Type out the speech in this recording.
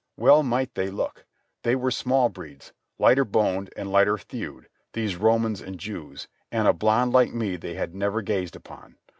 Well might they look. They were small breeds, lighter boned and lighter thewed, these Romans and Jews, and a blonde like me they had never gazed upon.